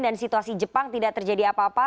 dan situasi jepang tidak terjadi apa apa